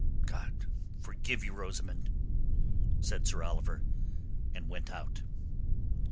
"God forgive you, Rosamund!" said Sir Oliver, and went out.